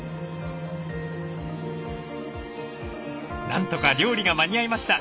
なんとか料理が間に合いました。